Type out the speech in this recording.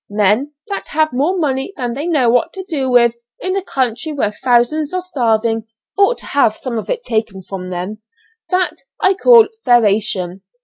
Men that have more than they know what to do with in a country where thousands are starving, ought to have some of it taken from them: that I call 'fairation.'